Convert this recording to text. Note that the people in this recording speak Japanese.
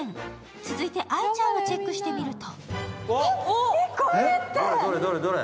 続いて、愛ちゃんをチェックしてみると？